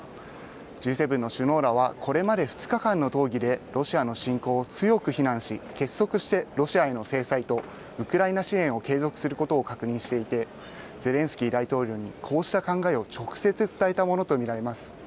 Ｇ７の首脳らはこれまで２日間の討議でロシアの侵攻を強く非難し結束してロシアへの制裁とウクライナ支援を継続することを確認していて、ゼレンスキー大統領にこうした考えを直接伝えたものと見られます。